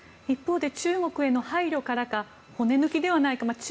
一方で中国への配慮からか骨抜きではないかと。